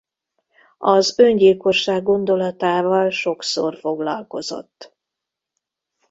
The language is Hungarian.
Az öngyilkosság gondolatával sokszor foglalkozott.